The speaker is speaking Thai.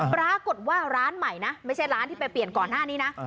ปรากฏว่าร้านใหม่นะไม่ใช่ร้านที่ไปเปลี่ยนก่อนหน้านี้นะ